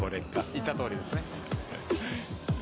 言った通りですね。